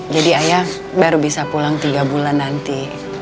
jadi ayah baru bisa pulang tiga bulan nanti